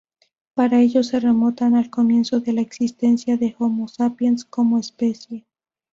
Para ello se remonta al comienzo de la existencia del Homo sapiens como especie.